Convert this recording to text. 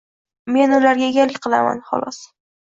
Men ularga egalik qilaman, xolos.